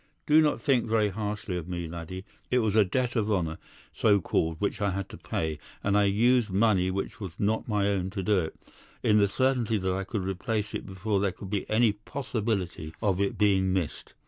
Do not think very harshly of me, laddie. It was a debt of honour, so called, which I had to pay, and I used money which was not my own to do it, in the certainty that I could replace it before there could be any possibility of its being missed.